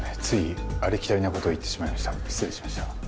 ついありきたりな事を言ってしまいました。